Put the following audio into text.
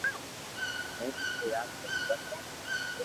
ھين اوني ياد ڪرو بس